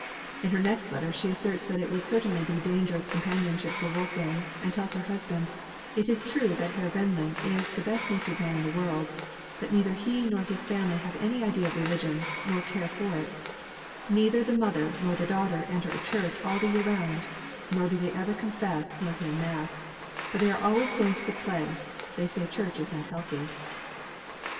In her next letter she asserts that it would certainly be dangerous companionship for Wolfgang, and tells her husband: "It is true that Herr Wendling is the best natured man in the world, but neither he nor his family have any idea of religion, nor care for it; neither the mother nor daughter enter a church all the year round, nor do they ever confess nor hear mass, but they are always going to the play; they say the church is not healthy."